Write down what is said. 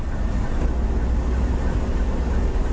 ในบัญชีว่าอะไร